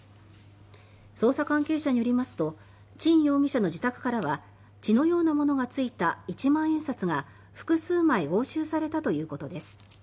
捜査関係者によりますとチン容疑者の自宅からは血のようなものがついた一万円札が複数枚押収されたということです。